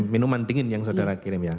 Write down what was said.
minuman dingin yang saudara kirim ya